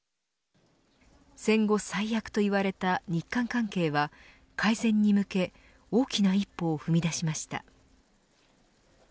戦後最悪と言われた日韓関係は改善に向け大きな一歩を踏み出しました。